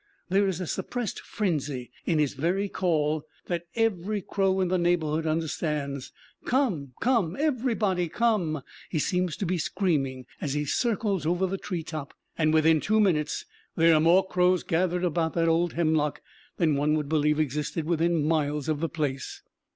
There is a suppressed frenzy in his very call that every crow in the neighborhood understands. Come! come! everybody come! he seems to be screaming as he circles over the tree top; and within two minutes there are more crows gathered about that old hemlock than one would believe existed within miles of the place.